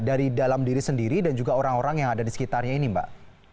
dari dalam diri sendiri dan juga orang orang yang ada di sekitarnya ini mbak